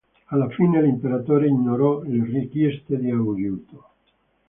Alla fine l'imperatore ignorò le richieste di aiuto.